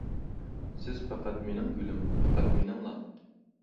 سىز پەقەت مېنىڭ گۈلۈم. پەقەت مېنىڭلا!